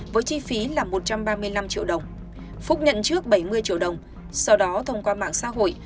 với chi phí là một trăm ba mươi năm triệu đồng phúc nhận trước bảy mươi triệu đồng sau đó thông qua mạng xã hội